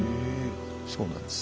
そうなんです。